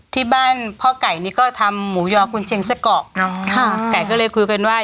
ที่บ้านพ่อไก่นี่ก็ทำหมูยอกุญเชียงไส้กรอกเนอะค่ะไก่ก็เลยคุยกันว่า